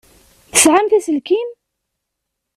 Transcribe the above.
Tesεamt aselkim?